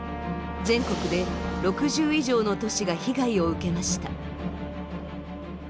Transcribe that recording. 全国で６０以上の都市が被害を受けました。